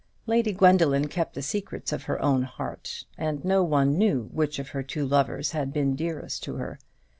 Lady Gwendoline kept the secrets of her own heart, and no one knew which of her two lovers had been dearest to her.